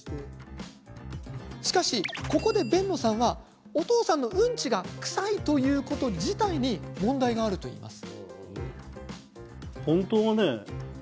しかし、ここで辨野さんはお父さんのうんちがクサいということ自体に問題があるといいます。